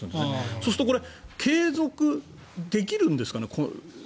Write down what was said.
そうすると継続できるんですかね？